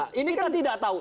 kita tidak tahu